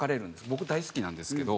僕大好きなんですけど。